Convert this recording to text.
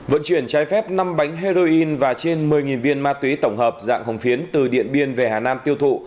vận chuyển trái phép năm bánh heroin và trên một mươi viên ma túy tổng hợp dạng hồng phiến từ điện biên về hà nam tiêu thụ